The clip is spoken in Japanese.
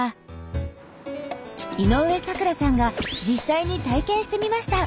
井上咲楽さんが実際に体験してみました。